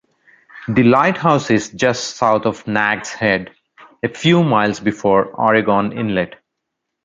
The lighthouse is just south of Nags Head, a few miles before Oregon Inlet.